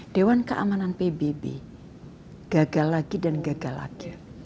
dewan keamanan pbb gagal lagi dan gagal lagi